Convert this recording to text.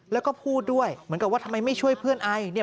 แล้วก็พูดด้วยเหมือนกับว่าทำไมไม่ช่วยเพื่อนไอ